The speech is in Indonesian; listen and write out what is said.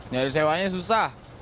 nanti ada sewanya susah